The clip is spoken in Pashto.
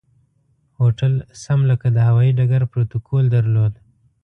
هوټل سم لکه د هوایي ډګر پروتوکول درلود.